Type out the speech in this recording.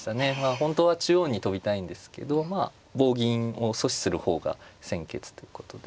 本当は中央に跳びたいんですけど棒銀を阻止する方が先決ということで。